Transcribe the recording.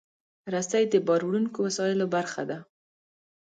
رسۍ د باروړونکو وسایلو برخه ده.